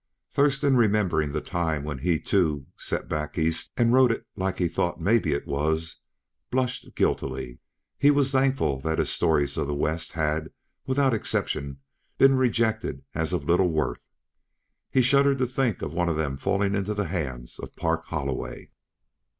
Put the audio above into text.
Thurston, remembering the time when he, too, "set back East" and wrote it like he thought maybe it was, blushed guiltily. He was thankful that his stories of the West had, without exception, been rejected as of little worth. He shuddered to think of one of them falling into the hands of Park Holloway.